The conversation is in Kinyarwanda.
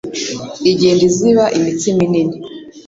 igenda iziba imitsi minini